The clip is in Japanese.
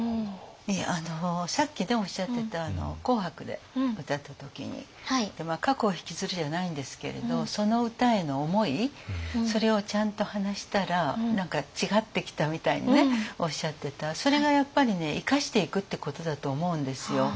さっきおっしゃってた「紅白」で歌った時に過去をひきずるじゃないんですけれどその歌への思いそれをちゃんと話したら違ってきたみたいにおっしゃってたそれがやっぱりね生かしていくってことだと思うんですよ。